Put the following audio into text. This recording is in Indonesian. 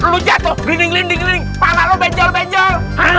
lu jatuh linding linding pala lu benjol benjol